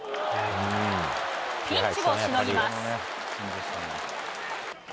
ピンチをしのぎます。